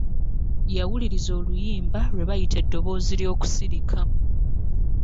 Yawuliriza oluyimba lwebayita eddoboozi ly'okusirika .